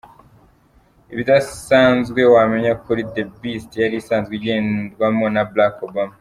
Ibidanzwe wamenya kuri ‘The beast ‘ yari isanzwe igendwamo na Barack Obama.